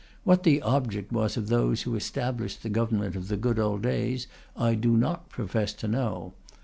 What the object was of those who established the government of the good old days, I do not profess to know.